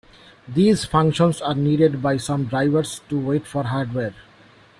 These functions are needed by some drivers to wait for hardware.